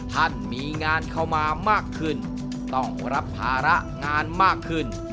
ท่านมีงานเข้ามามากขึ้นต้องรับภาระงานมากขึ้น